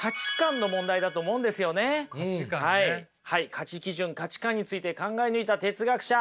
価値基準価値観について考え抜いた哲学者